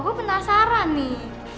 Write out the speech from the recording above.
gue penasaran nih